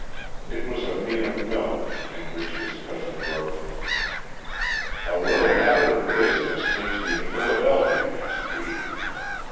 It was a mere note, in which his cousin wrote: "A little matter of business takes me to Philadelphia next week.